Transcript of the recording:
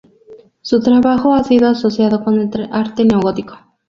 Su trabajo ha sido asociado con el arte neogótico